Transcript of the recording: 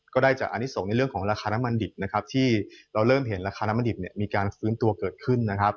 ก็ได้จากอันนี้ส่งในเรื่องของราคาน้ำมันดิบนะครับที่เราเริ่มเห็นราคาน้ำมันดิบมีการฟื้นตัวเกิดขึ้นนะครับ